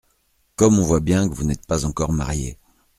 Comme on voit bien que vous n’êtes pas encore mariés.